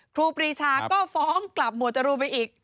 ครูปรีชาก็ฟ้องกลับหมวดจรูนไปอีก